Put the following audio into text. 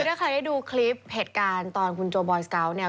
ถ้าใครได้ดูคลิปเหตุการณ์ตอนคุณโจบอยสเกาะเนี่ย